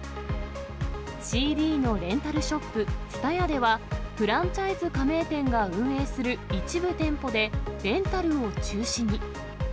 ＣＤのレンタルショップ、ＴＳＵＴＡＹＡでは、フランチャイズ加盟店が運営する一部店舗で、レンタルを中止に。